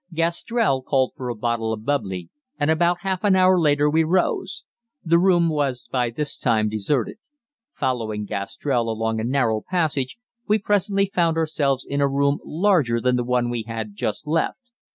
Gastrell called for a bottle of "bubbly," and about half an hour later we rose. The room was by this time deserted. Following Gastrell along a narrow passage, we presently found ourselves in a room larger than the one we had just left.